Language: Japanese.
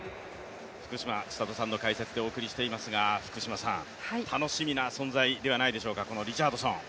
福島千里さんの解説でお送りしていますが、楽しみな存在ではないでしょうか、このリチャードソン。